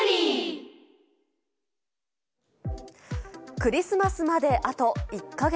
クリスマスまであと１か月。